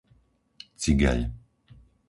Cigeľ